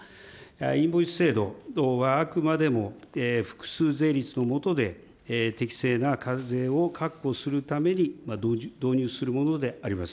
インボイス制度はあくまでも複数税率の下で、適正な課税を確保するために導入するものであります。